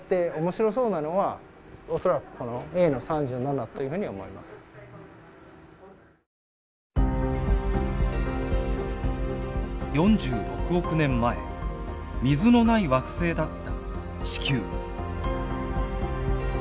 だからまだ４６億年前水のない惑星だった地球。